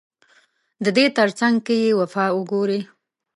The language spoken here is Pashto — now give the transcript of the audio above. ددې ترڅنګ که يې وفا وګورې